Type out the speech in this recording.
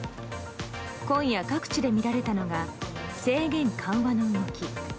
今夜、各地で見られたのが制限緩和の動き。